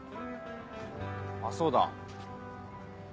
あっそうだ。